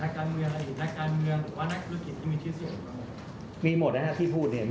นักการเมืองหรือว่านักธุรกิจที่มีชื่อเสี่ยงหรือเปล่า